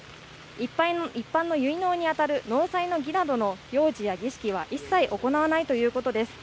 一般の結納に当たる納采の儀などの行事や儀式は一切行わないということです。